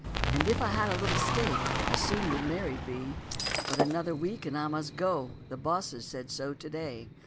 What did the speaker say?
And if I had a little stake, I soon would married be, But another week and I must go, the boss said so to day.